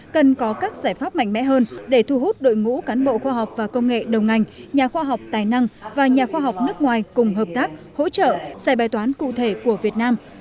cần có các giải pháp mạnh mẽ hơn để thu hút đội ngũ cán bộ khoa học và công nghệ đồng ngành nhà khoa học tài năng và nhà khoa học nước ngoài cùng hợp tác hỗ trợ giải bài toán cụ thể của việt nam